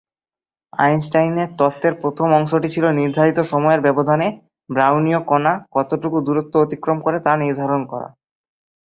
আইনস্টাইনের তত্ত্বের প্রথম অংশটি ছিল নির্ধারিত সময়ের ব্যবধানে ব্রাউনীয় কণা কতটুকু দূরত্ব অতিক্রম করে তা নির্ধারণ করা।